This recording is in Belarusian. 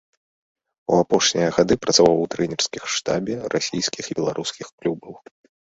У апошнія гады працаваў у трэнерскім штабе расійскіх і беларускіх клубаў.